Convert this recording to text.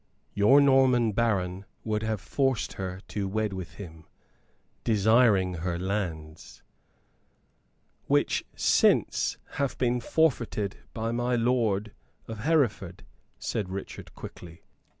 "Your Norman baron would have forced her to wed with him, desiring her lands." "Which since hath been forfeited by my lord of Hereford," said Richard, quickly.